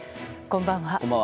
こんばんは。